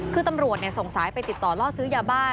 คือตำรวจส่งสายไปติดต่อล่อซื้อยาบ้า